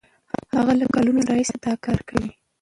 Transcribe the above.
هغه له کلونو راهیسې دا کار کوي.